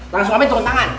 langsung aja turun tangan